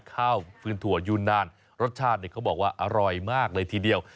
ข้าวฟื้นถั่วยูนานรสชาติเขาบอกว่าอร่อยมากเลยทีเดียว